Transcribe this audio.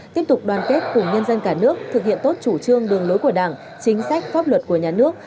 tiếp tục đoàn kết cùng nhân dân cả nước thực hiện tốt chủ trương đường lối của đảng chính sách pháp luật của nhà nước